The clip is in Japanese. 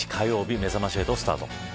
めざまし８スタート。